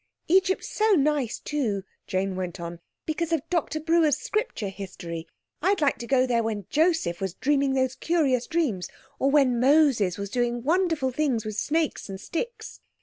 "Egypt's so nice too," Jane went on, "because of Doctor Brewer's Scripture History. I would like to go there when Joseph was dreaming those curious dreams, or when Moses was doing wonderful things with snakes and sticks."